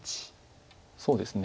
そうですね。